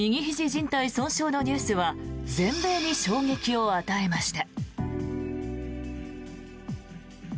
じん帯損傷のニュースは全米に衝撃を与えました。